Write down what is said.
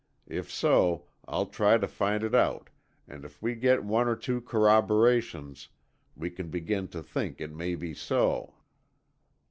If so, I'll try to find it out, and if we get one or two corroborations, we can begin to think it may be so."